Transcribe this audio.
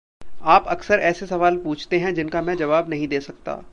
आप अकसर ऐसे सवाल पूछते हैं जिनका मैं जवाब नहीं दे सकता।